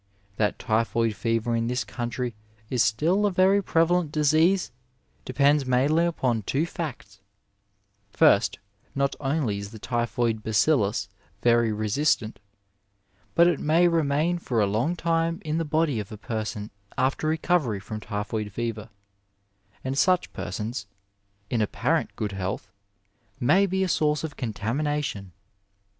That typhoid fever in this country is still a very prevalent disease depends mainly upon two facts : First, not only is the typhoid bacillus very resistant, but it may remain for a long time in the body of a person after recovery from typhoid fever, and such persons, in apparent good health, may be a source of contamination.